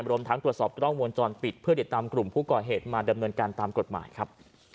รวมทั้งตรวจสอบกล้องวงจรปิดเพื่อติดตามกลุ่มผู้ก่อเหตุมาดำเนินการตามกฎหมายครับ